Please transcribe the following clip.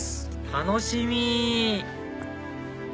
楽しみ！